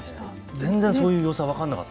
全然そういう様子は分かんなかった？